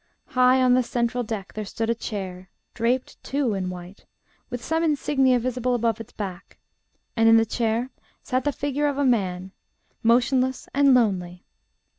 High on the central deck there stood a chair, draped, too, in white, with some insignia visible above its back; and in the chair sat the figure of a man, motionless and lonely.